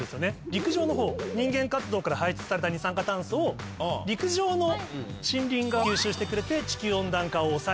陸上のほう人間活動から排出された二酸化炭素を陸上の森林が吸収してくれて地球温暖化を抑える。